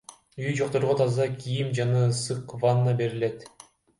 Үйү жокторго таза кийим жана ысык ванна берилет.